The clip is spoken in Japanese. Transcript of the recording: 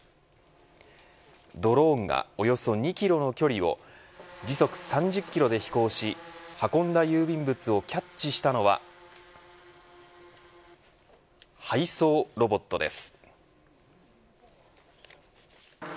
ドローンがおよそ２キロの距離を時速３０キロで飛行し運んだ郵便物をキャッチしたのは配送ロボットです。